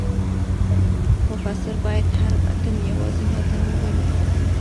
مفسر باید هر متن یوازې متن وګڼي.